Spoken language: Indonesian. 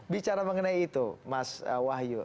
bicara mengenai itu mas wahyu